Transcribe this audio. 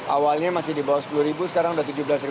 awalnya masih di bawah sepuluh sekarang sudah tujuh belas